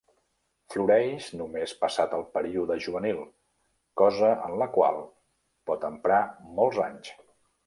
Floreix només passat el període juvenil, cosa en la qual pot emprar molts anys.